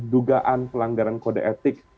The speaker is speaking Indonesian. dugaan pelanggaran kode etik